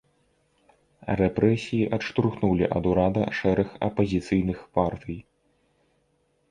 Рэпрэсіі адштурхнулі ад урада шэраг апазіцыйных партый.